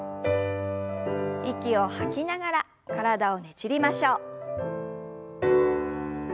息を吐きながら体をねじりましょう。